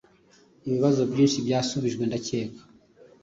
Ibibazo byinshi byashubijwe ndakeka